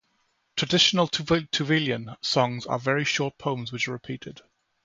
Traditional Tuvaluan songs are very short poems which are repeated.